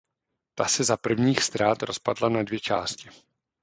Ta se za prvních ztrát rozpadla na dvě části.